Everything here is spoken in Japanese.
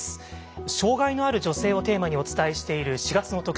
「障害のある女性」をテーマにお伝えしている４月の特集